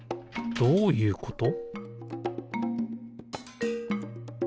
どういうこと？